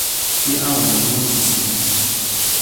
mi awen lon monsi sina.